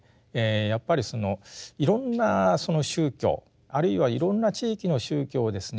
やっぱりいろんなその宗教あるいはいろんな地域の宗教をですね